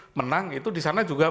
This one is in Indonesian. yang satu menang itu di sana juga